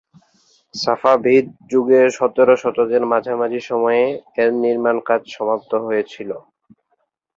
Safavid যুগে সতেরো শতকের মাঝামাঝি সময়ে এর নির্মাণকাজ সমাপ্ত হয়েছিল।